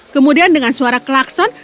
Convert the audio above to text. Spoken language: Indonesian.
kemudian dengan suara klakson